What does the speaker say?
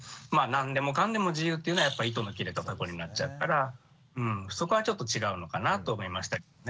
何でもかんでも自由っていうのは糸の切れたたこになっちゃうからそこはちょっと違うのかなと思いましたけどね。